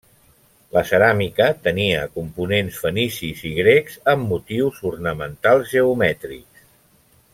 La ceràmica tenia components fenicis i grecs, amb motius ornamentals geomètrics.